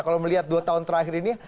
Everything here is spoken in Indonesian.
kalau melihat dua tahun terakhir ini